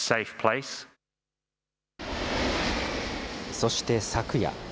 そして昨夜。